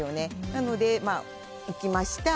なので、行きました。